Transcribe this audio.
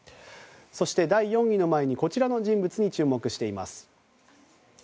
そして、第４位の前にこちらの人物に注目しています。